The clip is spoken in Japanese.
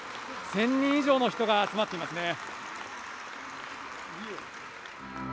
１０００人以上の人が集まっていますね。